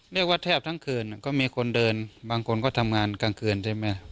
แทบทั้งคืนก็มีคนเดินบางคนก็ทำงานกลางคืนใช่ไหม